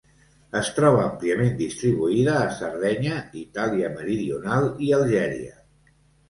Es troba àmpliament distribuïda a Sardenya, Itàlia meridional i Algèria.